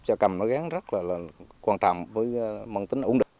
cho cầm nó gán rất là quan trọng với măng tính ủng định